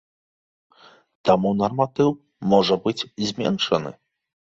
Таму нарматыў можа быць зменшаны.